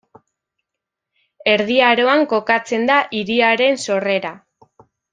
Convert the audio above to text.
Erdi Aroan kokatzen da hiriaren sorrera.